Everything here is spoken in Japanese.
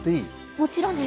もちろんです。